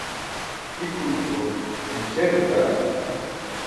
hipulto śimśer bila